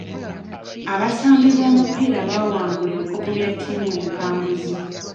Abasambi b'omupiira baawangula ebikopo bya ttiimu empanguzi.